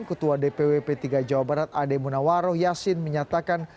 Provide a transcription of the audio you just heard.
ketua dpw p tiga jawa barat ade munawaroh yasin menyatakan